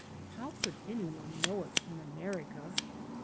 How could any one know it in America?